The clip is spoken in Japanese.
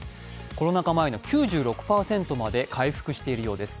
コロナ禍前の９６％まで回復しているようです。